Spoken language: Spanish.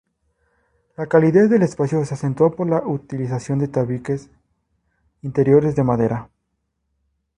La calidez del espacio se acentúa por la utilización de tabiques interiores de madera.